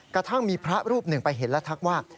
กระทั่งมีพระรูปหนึ่งไปเห็นและทักว่า